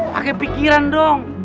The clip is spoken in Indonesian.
pakai pikiran dong